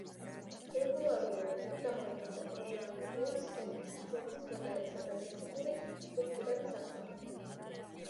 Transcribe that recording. რეგულარული ენები გამოიყენება პროგრამირების ენებში ძებნის მოდელებისა და ლექსიკური სტრუქტურების აღსაწერად.